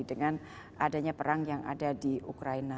dengan adanya perang yang ada di ukraina